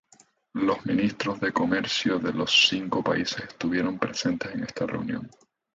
Los ministros de comercio de los cinco países estuvieron presentes en esta reunión.